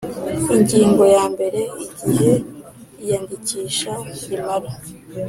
Ingingo ya mbere Igihe iyandikisha rimara